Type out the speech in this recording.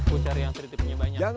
aku cari yang tritipnya banyak